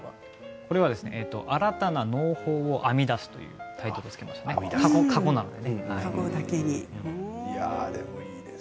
これは「新たな農法を編み出す」というタイトルです。